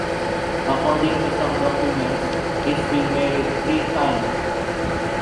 According to some documents, he's been married three times.